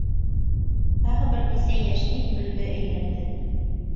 — Тағы бер нисә йәшник көлгә әйләнде.